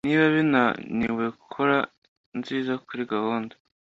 Niba binaniwekora nziza kuri gahunda